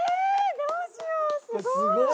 どうしようすごい！